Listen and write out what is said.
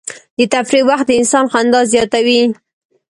د تفریح وخت د انسان خندا زیاتوي.